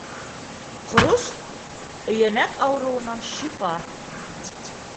Ҡорос — өйәнәк ауырыуынан шифа.